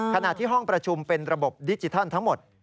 ขณะที่ห้องประชุมเป็นระบบดิจิทัลทั้งหมด